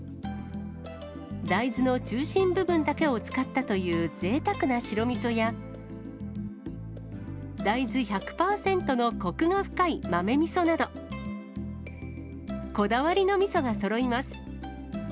大豆の中心部分だけを使ったというぜいたくな白みそや、大豆１００％のこくが深い豆みそなど、こだわりのみそがそろいます。